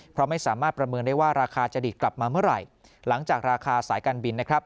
เพราะไม่สามารถประเมินได้ว่าราคาจะดีดกลับมาเมื่อไหร่หลังจากราคาสายการบินนะครับ